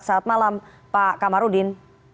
selamat malam pak kamarudin